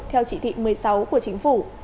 theo chỉ thị một mươi sáu của chính phủ